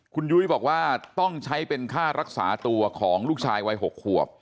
คุณยุ้ยบอกว่าต้องใช้เป็นค่ารักษาตัวของลูกชายวัย๖ขวบ